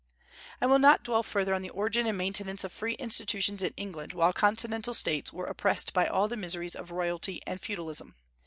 I will not dwell further on the origin and maintenance of free institutions in England while Continental States were oppressed by all the miseries of royalty and feudalism.